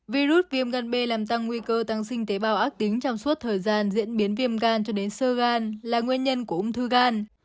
virus viêm gan b làm tăng nguy cơ tăng sinh tế bào ác tính trong suốt thời gian diễn biến viêm gan cho đến sơ gan là nguyên nhân của ung thư gan